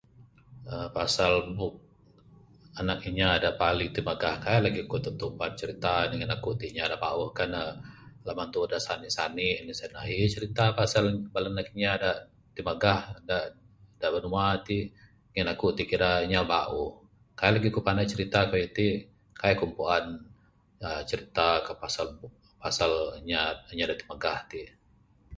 uhh pasal book anak kinya dak paling temegah kai legi ku tentu puan cerita ne ngin aku t inya dak bauh kan ne nemba tuuh da sanik sanik sien ceh ahi cerita pasal bala anak kinya dak temegah dak dak binua t, ngin aku t kira inya bauh. Kai legi ku pandai cerita keyuh t kai ku puan uhh cerita ka pasal pasal inya dak timegah t.